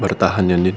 bertaan ya din